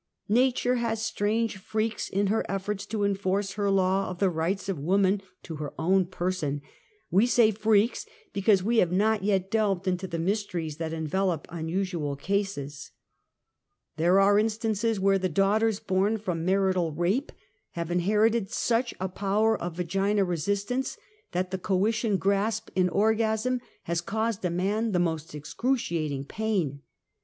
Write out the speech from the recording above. ^^'ature has strange freaks in her efforts to enforce her law of the rights of woman to her own person ; we say freaks, because we have not yet delved into the m^^steries that envelop unusual cases. 6 82 UNMASKED. There are instances where the daughters born from marital rape, have inherited such a power of vagina /resistance, that the coition grasp in orgasm has I caused a man the most excruciating pain.